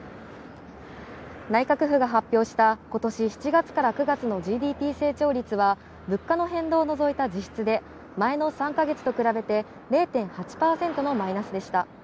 内閣府が発表した今年７月から９月のＧＤＰ成長率は物価の変動を除いた実質で前の３か月と比べて０．８％のマイナスでした。